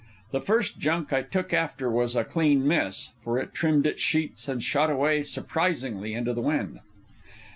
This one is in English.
The first junk I took after was a clean miss, for it trimmed its sheets and shot away surprisingly into the wind.